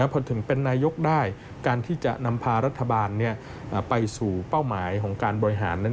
พอถึงเป็นนายกได้การที่จะนำพารัฐบาลไปสู่เป้าหมายของการบริหารนั้น